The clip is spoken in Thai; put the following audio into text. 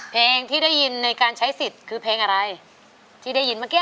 เพลงที่ได้ยินในการใช้สิทธิ์คือเพลงอะไรที่ได้ยินเมื่อกี้